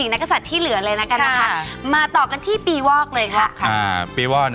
แม่บ้านพระจันทร์บ้าน